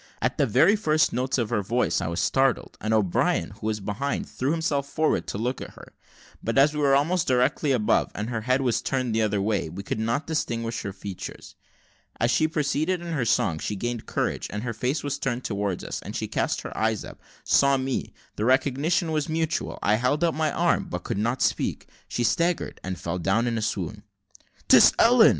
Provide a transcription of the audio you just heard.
At the very first notes of her voice I was startled, and O'Brien, who was behind, threw himself forward to look at her; but as we were almost directly above, and her head was turned the other way, we could not distinguish her features. As she proceeded in her song, she gained courage, and her face was turned towards us, and she cast her eyes up saw me the recognition was mutual I held out my arm, but could not speak she staggered, and fell down in a swoon. "'Tis Ellen!"